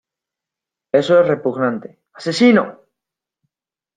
Eso es repugnante. ¡ Asesino!